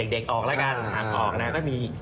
เด็กออกน่ะก็มี